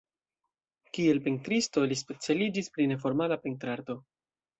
Kiel pentristo, li specialiĝis pri neformala pentrarto.